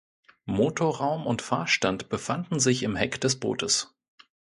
Motorraum und Fahrstand befanden sich im Heck des Bootes.